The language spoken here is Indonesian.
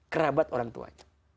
kerabat orang tuanya